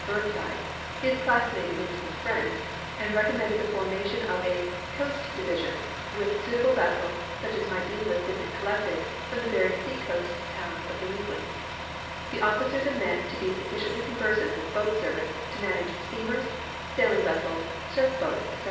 Burnside, his classmate and intimate friend, and recommended the formation of a " coast division " with suitable vessels such as might be enlisted and collected from the various sea coast towns of New England ; the officers and men to be sufficiently conversant with boat service to manage steamers, sailing vessels, surf boats, etc.